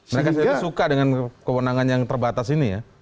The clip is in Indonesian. mereka sendiri suka dengan kewenangan yang terbatas ini ya